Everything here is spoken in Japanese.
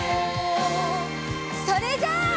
それじゃあ。